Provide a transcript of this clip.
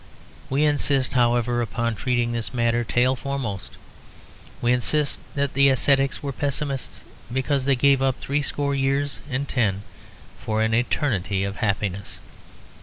We insist, however, upon treating this matter tail foremost. We insist that the ascetics were pessimists because they gave up threescore years and ten for an eternity of happiness.